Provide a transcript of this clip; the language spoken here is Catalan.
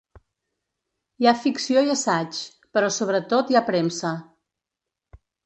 Hi ha ficció i assaig, però sobre tot hi ha premsa.